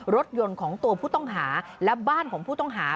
รถยนต์ของตัวผู้ต้องหาและบ้านของผู้ต้องหา